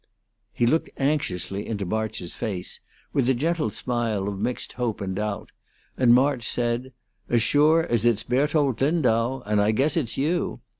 He looked anxiously into March's face, with a gentle smile of mixed hope and doubt, and March said: "As sure as it's Berthold Lindau, and I guess it's you.